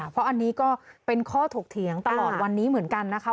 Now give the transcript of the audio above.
เพราะอันนี้ก็เป็นข้อถกเถียงตลอดวันนี้เหมือนกันนะคะ